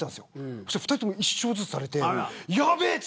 そしたら２人とも１勝ずつされてやべーって。